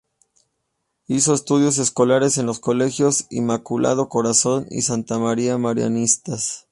Hizo estudios escolares en los colegios Inmaculado Corazón y Santa María Marianistas.